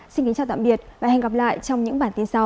xin kính chào tạm biệt và hẹn gặp lại trong những bản tin sau